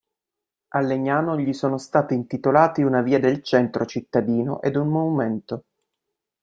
A Legnano gli sono stati intitolati una via del centro cittadino ed un monumento.